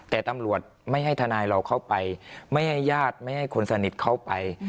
แต่ตำรวจไม่ให้ทนายเราเข้าไปไม่ให้ญาติไม่ให้คนสนิทเข้าไป